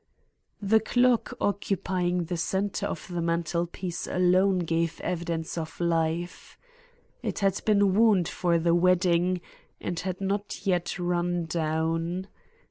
The clock occupying the center of the mantelpiece alone gave evidence of life. It had been wound for the wedding and had not yet run down.